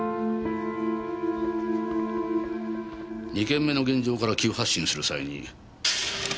２件目の現場から急発進する際に。